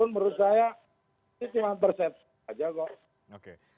menurut saya itu cuma perset saja kok